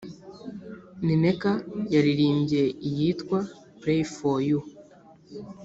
Nneka yaririmbye iyitwa "Pray For You"